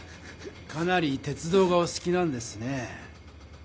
かなり鉄道がおすきなんですね？